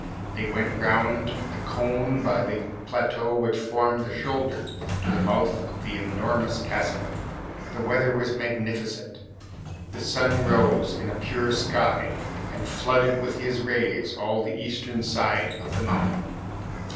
They went round the cone by the plateau which formed the shoulder, to the mouth of the enormous chasm. The weather was magnificent. The sun rose in a pure sky and flooded with his rays all the eastern side of the mountain.